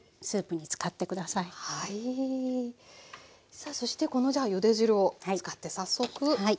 さあそしてこのじゃあゆで汁を使って早速１品。